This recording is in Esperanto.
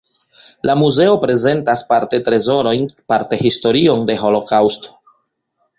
La muzeo prezentas parte trezorojn, parte historion de Holokaŭsto.